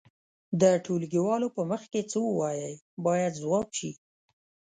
د ټولګيوالو په مخ کې څه ووایئ باید ځواب شي.